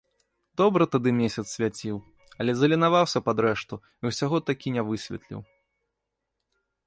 Добра тады месяц свяціў, але заленаваўся пад рэшту і ўсяго такі не высветліў.